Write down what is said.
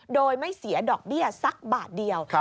โดยไม่เสียดอกเบี้ยสักบาทเดียว